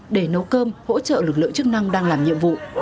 để nấu cơm hỗ trợ lực lượng chức năng đang làm nhiệm vụ